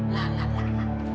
lah lah lah